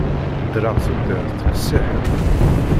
Ddreɣ tudert qessiḥen.